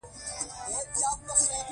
ښه خدمت د اوږدمهاله بری راز دی.